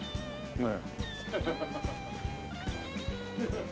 ねえ。